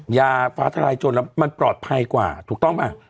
ยาฟ้าทลายจนแล้วมันปลอดภัยกว่าถูกต้องป่ะ